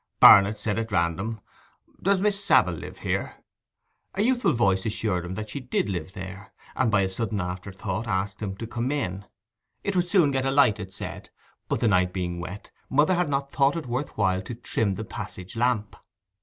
Barnet said at random, 'Does Miss Savile live here?' A youthful voice assured him that she did live there, and by a sudden afterthought asked him to come in. It would soon get a light, it said: but the night being wet, mother had not thought it worth while to trim the passage lamp.